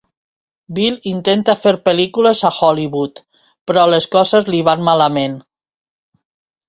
Bill intenta fer pel·lícules a Hollywood, però les coses li van malament.